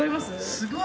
すごい！